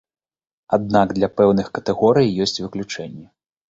Аднак для пэўных катэгорый есць выключэнні.